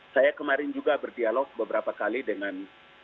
saya kemarin juga berdialog beberapa kali dengan